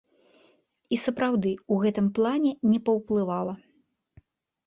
І сапраўды ў гэтым плане не паўплывала.